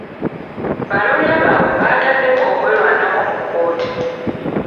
Balooya baabwe bataddeyo okwerwanako mu kkooti.